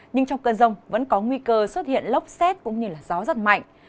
nhưng trong cơn rông vẫn có nguy cơ xuất hiện lốc xét cũng như gió rất mạnh